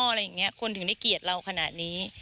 อะไรอย่างนี้คนถึงได้เกลียดเราขนาดนี้